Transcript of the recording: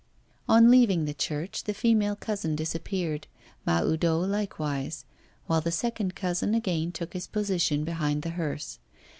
On leaving the church the female cousin disappeared, Mahoudeau likewise; while the second cousin again took his position behind the hearse.